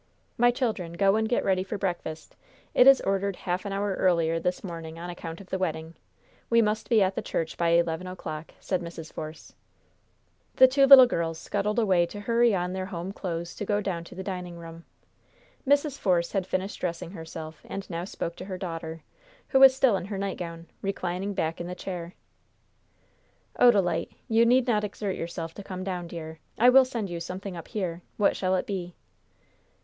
"My children, go and get ready for breakfast. It is ordered half an hour earlier this morning on account of the wedding. We must be at the church by eleven o'clock," said Mrs. Force. The two little girls scuttled away to hurry on their home clothes to go down to the dining room. Mrs. Force had finished dressing herself, and now spoke to her daughter, who was still in her nightgown, reclining back in the chair. "Odalite, you need not exert yourself to come down, dear. I will send you something up here. What shall it be?"